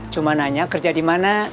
cuma nanya kerja di mana